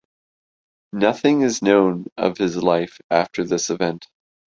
Nothing is known of his life after this event.